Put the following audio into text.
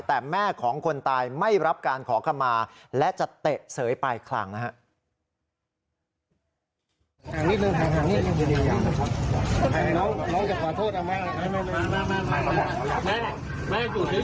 แต่แม่ของคนตายไม่รับการขอขมาและจะเตะเสยปลายคลังนะครับ